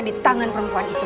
di tangan perempuan itu